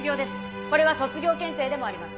これは卒業検定でもあります。